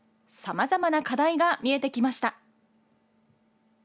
さまざまな課題が見えてきました。